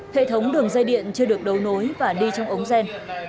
hệ thống đường dây điện chưa được đấu nối và đi trong ống gen